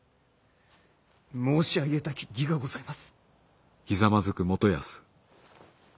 申し上げたき儀がございます！